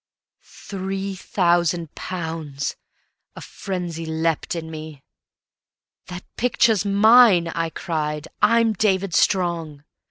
_" Three thousand pounds! A frenzy leapt in me. "That picture's mine," I cried; "I'm David Strong.